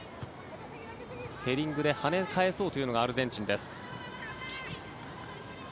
ヘディングではね返そうというのがアルゼンチンです。